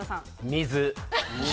水。